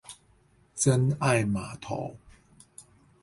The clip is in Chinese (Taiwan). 真愛碼頭